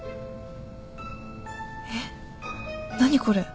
えっ何これ？